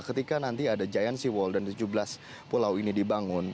ketika nanti ada giant sea wall dan tujuh belas pulau ini dibangun